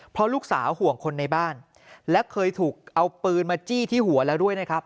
เพราะลูกสาวห่วงคนในบ้านและเคยถูกเอาปืนมาจี้ที่หัวแล้วด้วยนะครับ